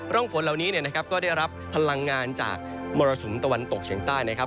ร่องฝนเหล่านี้ก็ได้รับพลังงานจากมรสุมตะวันตกเฉียงใต้นะครับ